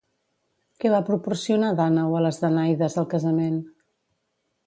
Què va proporcionar Dànau a les danaides al casament?